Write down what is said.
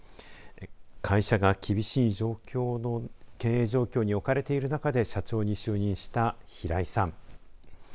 会社が厳しい経営状況に置かれている中で社長に就任した平井さん。